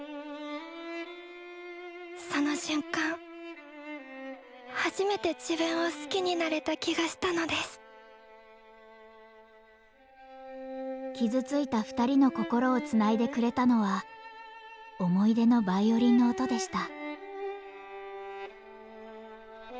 その瞬間初めて自分を好きになれた気がしたのです傷ついた２人の心をつないでくれたのは思い出のヴァイオリンの音でした。